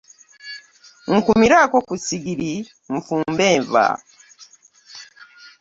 Nkumiraako ku ssigiri nfumbe enva.